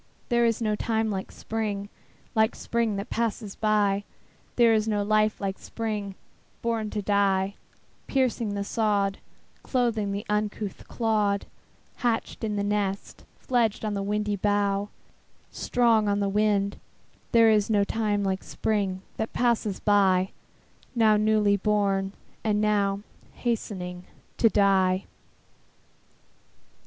There is no time like Spring, Like Spring that passes by; There is no life like Spring life born to die, Piercing the sod, Clothing the uncouth clod, Hatched in the nest, Fledged on the windy bough, Strong on the wing: There is no time like Spring that passes by, Now newly born, and now Hastening to die.